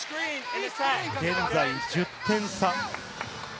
現在１０点差。